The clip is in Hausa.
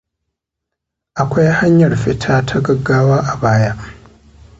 Akwai hanyar fita ta gaggawa a baya.